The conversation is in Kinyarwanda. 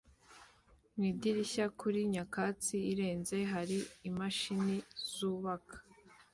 mu idirishya kuri nyakatsi irenze hari imashini zubaka